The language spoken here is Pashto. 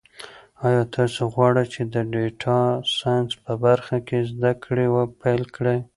ایا تاسو غواړئ چې د ډیټا ساینس په برخه کې زده کړې پیل کړئ؟